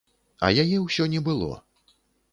А яе ўсё не было.